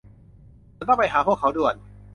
ฉันต้องไปหาพวกเขาด่วน